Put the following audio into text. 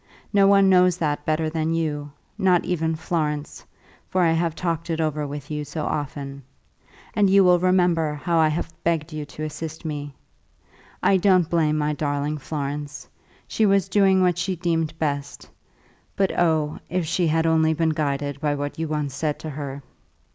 No one knows that better than you, not even Florence, for I have talked it over with you so often; and you will remember how I have begged you to assist me. I don't blame my darling Florence. She was doing what she deemed best; but oh, if she had only been guided by what you once said to her!